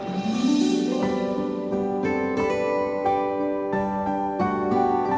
tidak ada kesalahan